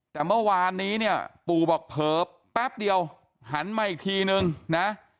แต่เมื่อวานนี้เนี่ยปู่บอกเผลอแป๊บเดียวหันมาอีกทีนึงนะ